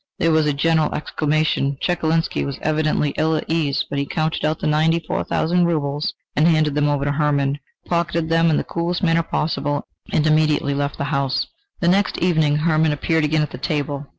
There was a general exclamation. Chekalinsky was evidently ill at ease, but he counted out the ninety four thousand rubles and handed them over to Hermann, who pocketed them in the coolest manner possible and immediately left the house. The next evening Hermann appeared again at the table.